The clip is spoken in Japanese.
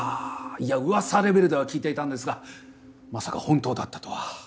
いや噂レベルでは聞いていたんですがまさか本当だったとは。